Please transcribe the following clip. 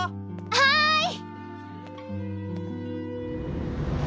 はい！